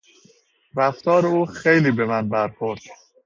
رفتار او خیلی به من برخورد.